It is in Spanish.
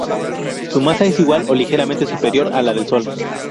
Su masa es igual, o ligeramente superior, a la del Sol.